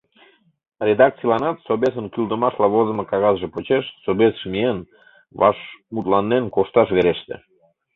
Редакцийланат, Собесын кӱлдымашла возымо кагазше почеш Собесыш миен, ваш мутланен кошташ вереште.